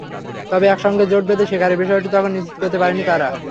তবে একসঙ্গে জোট বেঁধে শিকারের বিষয়টি তখন নিশ্চিত করতে পারেননি তাঁরা।